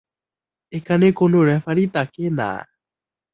এখানে কোন রেফারি থাকে না।